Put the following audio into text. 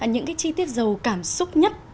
những cái chi tiết giàu cảm xúc nhất